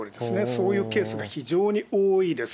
そういうケースが非常に多いです。